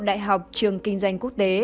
đại học trường kinh doanh quốc tế